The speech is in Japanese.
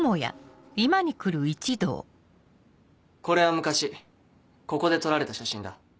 これは昔ここで撮られた写真だ。